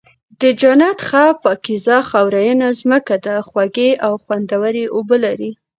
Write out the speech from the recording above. د جنت ښه پاکيزه خاورينه زمکه ده، خوږې او خوندوَري اوبه لري